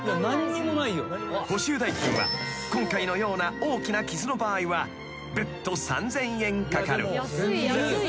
［補修代金は今回のような大きな傷の場合は別途３，０００円かかる］